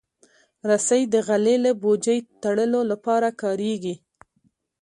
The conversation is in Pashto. رسۍ د غلې له بوجۍ تړلو لپاره کارېږي.